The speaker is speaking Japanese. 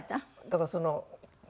だからその。